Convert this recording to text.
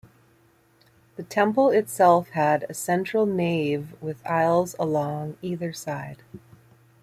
The temple itself had a central nave with aisles along either side.